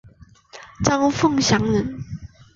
张凤翙人。